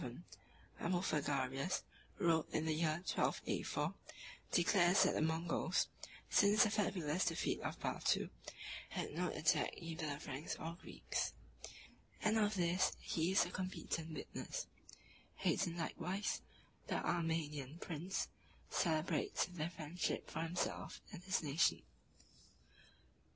5.] 37 (return) [ Abulpharagius, who wrote in the year 1284, declares that the Moguls, since the fabulous defeat of Batou, had not attacked either the Franks or Greeks; and of this he is a competent witness. Hayton likewise, the Armenian prince, celebrates their friendship for himself and his nation.